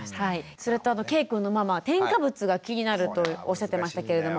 それとけいくんのママ添加物が気になるとおっしゃってましたけれども。